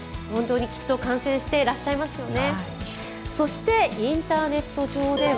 きっと観戦していらっしゃいますよね。